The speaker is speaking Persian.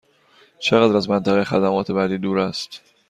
چقدر از منطقه خدمات بعدی دور است؟